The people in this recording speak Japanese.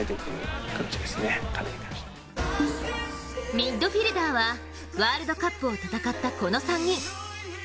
ミッドフィルダーはワールドカップを戦ったこの３人。